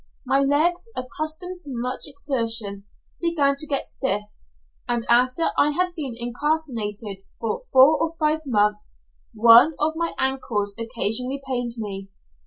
My legs, accustomed to much exertion, began to get stiff, and after I had been incarcerated for four or five months, one of my ankles occasionally pained me.